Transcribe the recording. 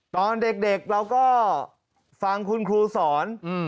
ตอนเด็กเราก็ฟังคุณครูสอน